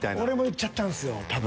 俺も言っちゃったんすよ。